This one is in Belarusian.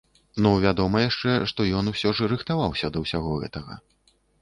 Ну вядома яшчэ, што ён усё ж рыхтаваўся да ўсяго гэтага.